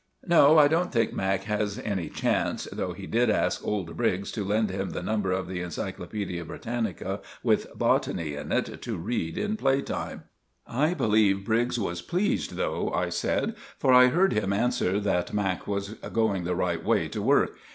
No, I don't think Mac. has any chance, though he did ask old Briggs to lend him the number of the Encyclopædia Britannica with 'Botany' in it, to read in playtime." "I believe Briggs was pleased, though," I said, "for I heard him answer that Mac. was going the right way to work.